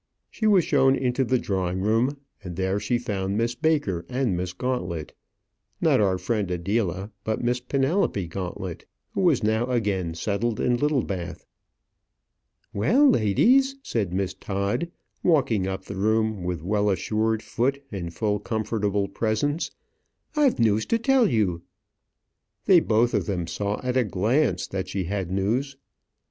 She was shown into the drawing room, and there she found Miss Baker and Miss Gauntlet; not our friend Adela, but Miss Penelope Gauntlet, who was now again settled in Littlebath. "Well, ladies," said Miss Todd, walking up the room with well assured foot and full comfortable presence, "I've news to tell you." They both of them saw at a glance that she had news.